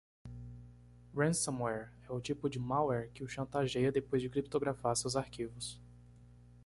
Ransomware é o tipo de malware que o chantageia depois de criptografar seus arquivos.